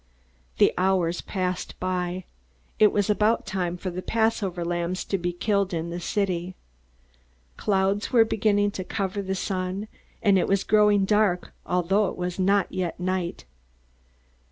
The hours passed by. It was about time for the Passover lambs to be killed in the city. Clouds were beginning to cover the sun, and it was growing dark although it was not yet night.